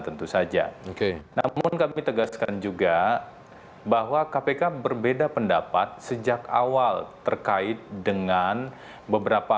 tentu saja oke namun kami tegaskan juga bahwa kpk berbeda pendapat sejak awal terkait dengan beberapa